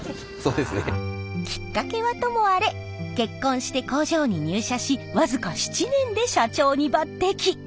そうですね。きっかけはともあれ結婚して工場に入社し僅か７年で社長に抜てき。